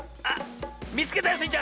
あっ。